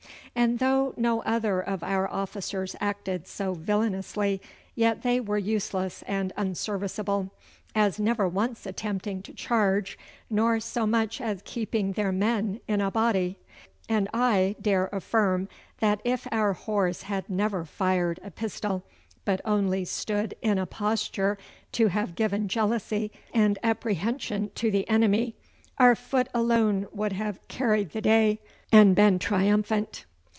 And though no other of our officers acted so villainously, yet they were useless and unserviceable, as never once attempting to charge, nor so much as keeping their men in a body. And I dare affirm that if our horse had never fired a pistol, but only stood in a posture to have given jealousy and apprehension to the enemy, our foot alone would have carried the day and been triumphant.